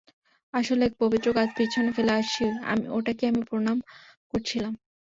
আসলে, এক পবিত্র গাছ পিছনে ফেলে আসছি, ওটাকেই আমি প্রণাম করছিলাম।